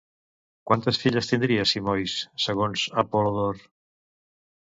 Quantes filles tindria Simois, segons Apol·lodor?